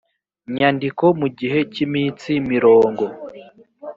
nyandiko mu gihe cy iminsi mirongo